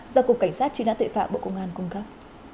do cục cảnh sát truy nã tuệ phạm bộ công an cung cấp